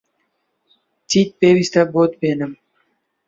چیت پێویستە بۆت بێنم؟